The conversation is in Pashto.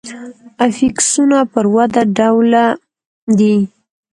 افیکسونه پر وده ډوله دي.